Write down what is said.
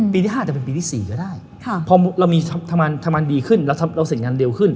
พอเรามีทะมานดีขึ้นเราเสร็จงานเร็วขึ้น